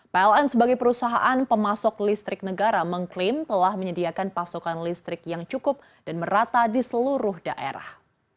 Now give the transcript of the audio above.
pln sebagai perusahaan pemasok listrik negara mengklaim telah menyediakan pasokan listrik yang cukup dan merata di seluruh daerah